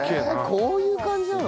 こういう感じなの？